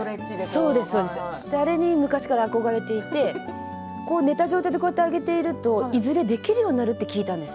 それに昔から憧れていて寝た状態でやっているといずれできるようになると聞いたんです。